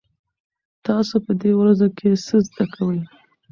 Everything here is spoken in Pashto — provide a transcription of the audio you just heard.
تاسو په دې ورځو کې څه زده کوئ؟